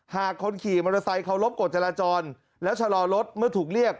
คนขี่มอเตอร์ไซค์เคารพกฎจราจรและชะลอรถเมื่อถูกเรียก